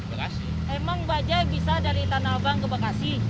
emang bajai bisa dari tanah abang ke bekasi